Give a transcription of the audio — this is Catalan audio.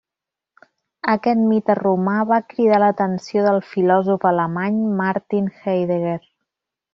Aquest mite romà va cridar l'atenció del filòsof alemany Martin Heidegger.